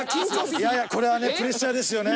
いやいやこれはねプレッシャーですよね。